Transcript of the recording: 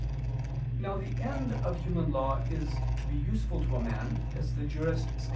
Now the end of human law is to be useful to man, as the Jurist states [*Pandect.